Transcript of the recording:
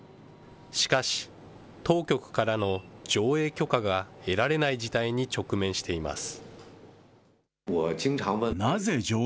しかし、当局からの上映許可が得られない事態に直面しています。